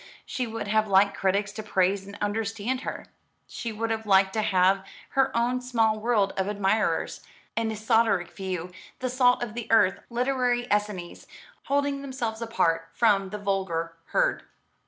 She would have liked critics to praise and understand her. She would have liked to have her own small world of admirers, an esoteric few, the salt of the earth, literary Essenes, holding themselves apart from the vulgar herd.